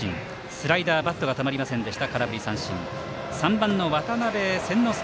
スライダーバットが止まりませんでした。